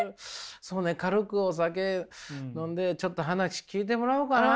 そうね軽くお酒飲んでちょっと話聞いてもらおうかな。